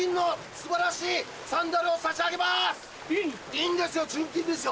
いいんですよ純金ですよ。